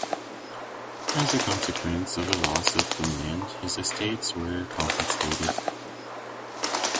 As a consequence of the loss of Finland his estates were confiscated.